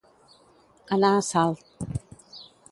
Anar a Salt.